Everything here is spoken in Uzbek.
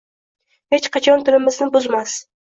Hech qachon tilimizni buzmas.